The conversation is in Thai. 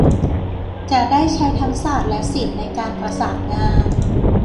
จะได้ใช้ทั้งศาสตร์และศิลป์ในการประสานงาน